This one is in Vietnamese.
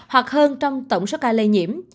hoặc hơn trong tổng số ca lây nhiễm